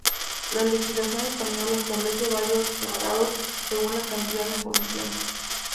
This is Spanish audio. La legislación española establece varios estados según la cantidad en posesión.